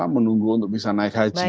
menunggu untuk bisa naik haji